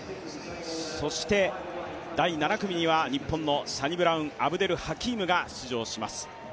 そして、第７組には日本のサニブラウン・アブデルハキームが出場します。